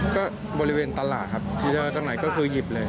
ก็บริเวณตลาดครับที่เราจำหน่ายก็คือหยิบเลย